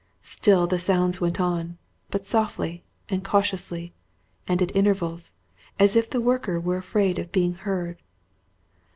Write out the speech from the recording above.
Still the sounds went on, but softly and cautiously; and at intervals, as if the worker were afraid of being heard.